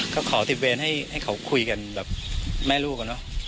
ก็ขอทิเฟนให้เขาคุยกันแบบแม่ลูก